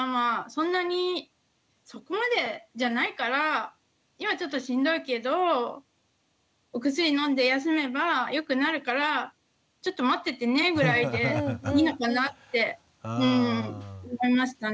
そんなにそこまでじゃないから今ちょっとしんどいけどお薬飲んで休めばよくなるからちょっと待っててね」ぐらいでいいのかなって思いましたね。